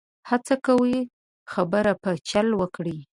هڅه کوي خبره په چل وکړي.